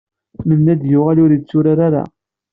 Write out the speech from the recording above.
Mennad yuɣal ur yettru ara.